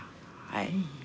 はい。